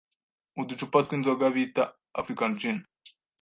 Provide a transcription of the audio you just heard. uducupa tw’inzoga bita African Gin